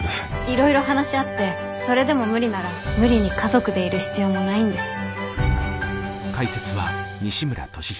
いろいろ話し合ってそれでも無理なら無理に家族でいる必要もないんです。